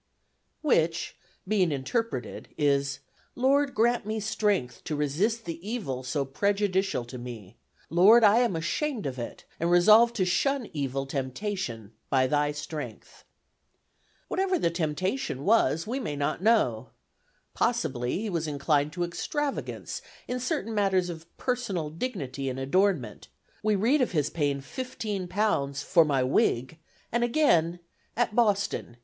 Which being interpreted is: "Lord, grant me Strength to resist the evil so prejudicial to me. Lord, I am ashamed of it and resolve to shun evil Temptation by thy Strength." What the temptation was, we may not know. Possibly he was inclined to extravagance in certain matters of personal dignity and adornment: we read of his paying fifteen pounds "for my wig"; and again, "At Boston.